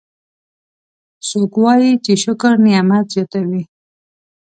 څوک وایي چې شکر نعمت زیاتوي